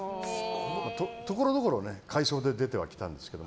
ところどころ回想で出てはきたんですけど。